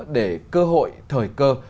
để cơ hội thời cơ